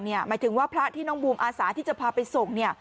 หมายถึงว่าพระที่น้องบูมอาสาที่จะพาไปส่ง